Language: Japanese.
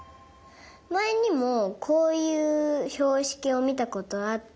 まえにもこういうひょうしきをみたことあって。